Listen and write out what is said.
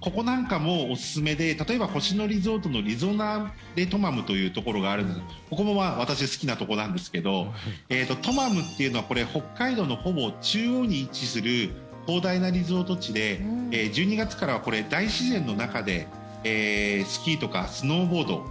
ここなんかもおすすめで例えば星野リゾートのリゾナーレトマムというところがあるんですがここも私、好きなところなんですけどトマムというのは北海道のほぼ中央に位置する広大なリゾート地で１２月からは大自然の中でスキーとかスノーボード